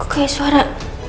kok kayak suara